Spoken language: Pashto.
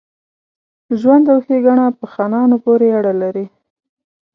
ژوند او ښېګڼه په خانانو پوري اړه لري.